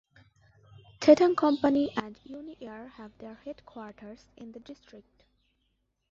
Tatung Company and Uni Air have their headquarters in the district.